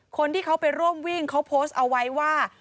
คนที่เขาไปร่วมวิ่งเขาโพสต์เอาไว้ว่า